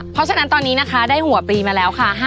เพราะฉะนั้นตอนนี้นะคะได้หัวปรีมาแล้วค่ะ